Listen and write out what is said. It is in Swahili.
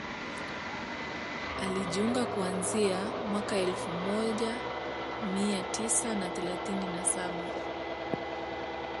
alijiunga kuanzia mwaka elfu moja mia tisa na thelathini na saba